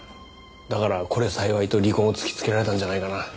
だからこれ幸いと離婚を突きつけられたんじゃないかな。